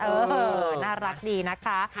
เออน่ารักดีนะคะ